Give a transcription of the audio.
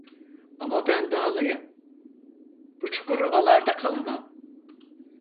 Ama ben dağlıyım, bu çukur ovalarda kalamam.